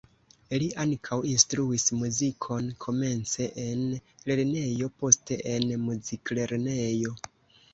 Li ankaŭ instruis muzikon komence en lernejo, poste en muziklernejo.